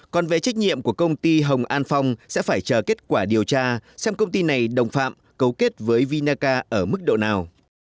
còn về trách nhiệm của công ty hồng an phong sẽ phải chờ kết quả điều tra xem công ty này đồng phạm cấu kết với vinaca ở mức độ nào